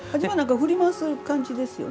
振り回す感じですよね？